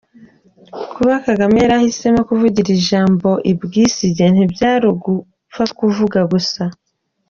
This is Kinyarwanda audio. Kuba Kagame yarahisemo kuvugira iri jambo i Bwisige, ntibyari ugupfa kuvuga gusa.